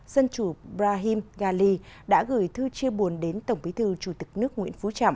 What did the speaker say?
dân chủ brahim gali đã gửi thư chia buồn đến tổng bí thư chủ tịch nước nguyễn phú trọng